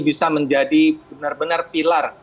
bisa menjadi benar benar pilar